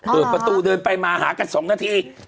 เปิดประตูเดินไปมาหากัน๒นาที